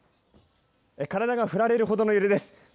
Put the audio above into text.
体が振られるほどの揺れです。